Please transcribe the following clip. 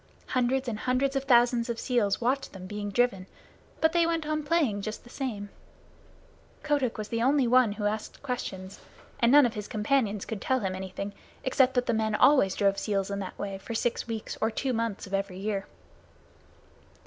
Hundreds and hundreds of thousands of seals watched them being driven, but they went on playing just the same. Kotick was the only one who asked questions, and none of his companions could tell him anything, except that the men always drove seals in that way for six weeks or two months of every year.